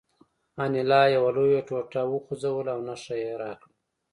انیلا یوه لویه ټوټه وخوځوله او نښه یې راکړه